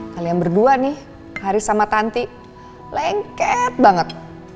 kalian berdua nih hari sama tanti lengket banget